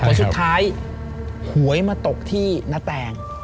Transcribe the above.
แล้วสุดท้ายหวยมาตกที่นะแตง